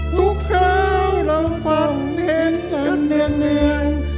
ทุกครั้งเราฟังเห็นกันเหนื่อย